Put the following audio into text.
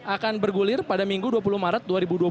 akan bergulir pada minggu dua puluh maret dua ribu dua puluh